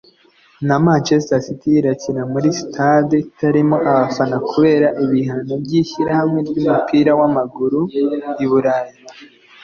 na Manchester City irakinira muri stade itarimo abafana kubera ibihano by’Ishyirahamwe ry’umupira w’amaguru i Burayi